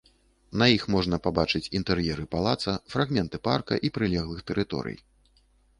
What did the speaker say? На іх можна пабачыць інтэр'еры палаца, фрагменты парка і прылеглых тэрыторый.